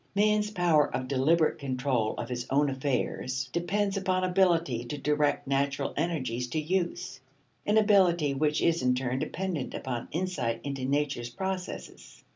Man's power of deliberate control of his own affairs depends upon ability to direct natural energies to use: an ability which is in turn dependent upon insight into nature's processes.